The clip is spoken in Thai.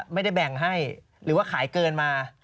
ไม่ได้แบ่งให้หรือว่าขายเกินมา